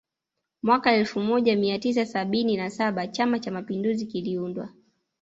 Mwaka elfu moja mia tisa sabini na saba Chama Cha Mapinduzi kiliundwa